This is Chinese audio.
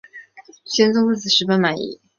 宣宗对此十分满意。